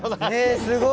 えすごい。